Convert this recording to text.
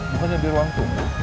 bukannya di ruang tunggu